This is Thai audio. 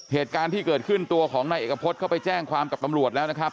เหตุการณ์ที่เกิดขึ้นตัวของนายเอกพฤษเข้าไปแจ้งความกับตำรวจแล้วนะครับ